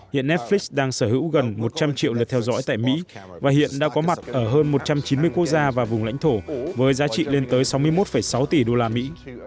hiện netflix đang sở hữu gần một trăm linh triệu lượt theo dõi tại mỹ và hiện đã có mặt ở hơn một trăm chín mươi quốc gia và vùng lãnh thổ với giá trị lên tới sáu mươi một sáu tỷ đô la mỹ